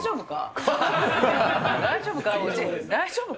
大丈夫か？